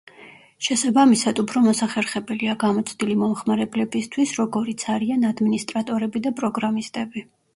შესაბამისად უფრო მოსახერხებელია გამოცდილი მომხმარებლებისთვის, როგორიც არიან ადმინისტრატორები და პროგრამისტები.